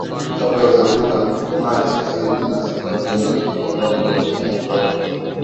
kabla ya uchaguzi wa machi ishirini na sita kujaza viti ambavyo vimeachwa wazi